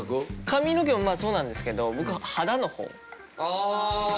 髪の毛もまあそうなんですけど僕は肌の方。